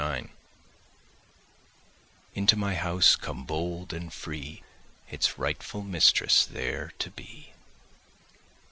IX "Into my house come bold and free, Its rightful mistress there to be."